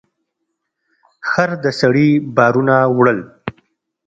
خر د سړي بارونه وړل.